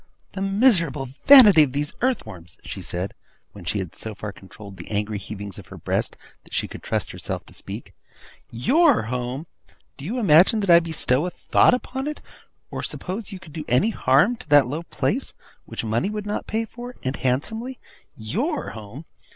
'The miserable vanity of these earth worms!' she said, when she had so far controlled the angry heavings of her breast, that she could trust herself to speak. 'YOUR home! Do you imagine that I bestow a thought on it, or suppose you could do any harm to that low place, which money would not pay for, and handsomely? YOUR home!